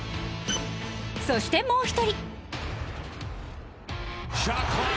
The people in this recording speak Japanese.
そしてもう一人